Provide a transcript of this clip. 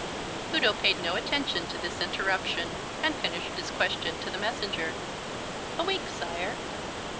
_) Udo paid no attention to this interruption and finished his question to the messenger. "A week, sire."